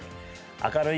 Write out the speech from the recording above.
「明るい！